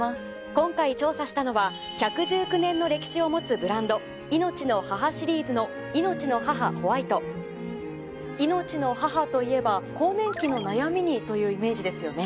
今回調査したのは１１９年の歴史を持つブランド命の母シリーズの「命の母ホワイト」「命の母」といえば更年期の悩みにというイメージですよね。